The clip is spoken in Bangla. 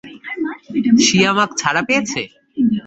শিয়ামাক ছাড়া পেয়েছে!